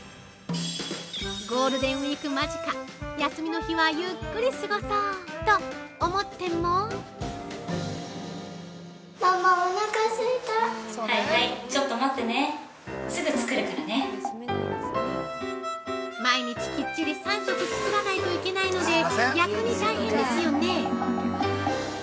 ゴールデンウイーク間近休みの日は、ゆっくり過ごそうと思っても◆毎日きっちり３食作らないといけないので逆に大変ですよね！？